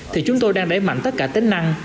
thì chúng tôi đang đẩy mạnh tất cả tính năng